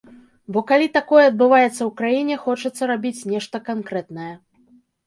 Бо, калі такое адбываецца ў краіне, хочацца рабіць нешта канкрэтнае.